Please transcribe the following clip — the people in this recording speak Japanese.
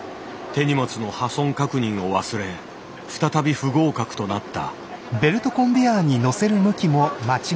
手荷物の破損確認を忘れ再び不合格となった。